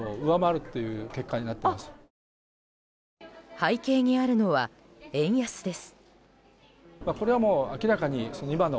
背景にあるのは円安です。